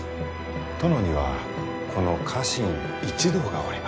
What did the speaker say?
殿にはこの家臣一同がおります。